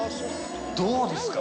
どうですか？